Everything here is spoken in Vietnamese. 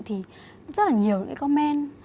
thì rất là nhiều comment